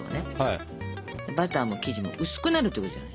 バターも生地も薄くなるということじゃない。